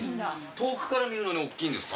遠くから見るのに大きいんですか？